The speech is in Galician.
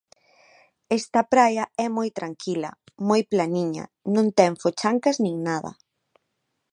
Esta praia é moi tranquila, moi planiña, non ten fochancas nin nada.